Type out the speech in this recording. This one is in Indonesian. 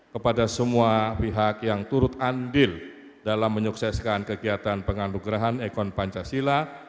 kepada semua pihak yang turut andil dalam menyukseskan kegiatan penganugerahan ekon pancasila